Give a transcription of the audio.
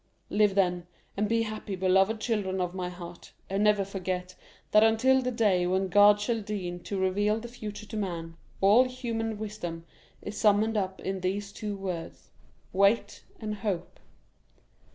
"Live, then, and be happy, beloved children of my heart, and never forget that until the day when God shall deign to reveal the future to man, all human wisdom is summed up in these two words,—'Wait and hope.